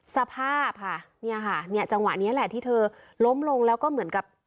สภาพจังหวะนี้แหละที่เธอล้มลงแล้วก็เหมือนกับ